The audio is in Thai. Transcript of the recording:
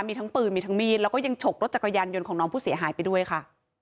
มีทั้งปืนมีทั้งมีดแล้วก็ยังฉกรถจักรยานยนต์ของน้องผู้เสียหายไปด้วยค่ะ